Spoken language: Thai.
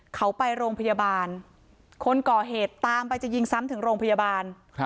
เขาไปโรงพยาบาลคนก่อเหตุตามไปจะยิงซ้ำถึงโรงพยาบาล